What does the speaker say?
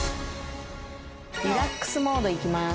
リラックスモードいきます。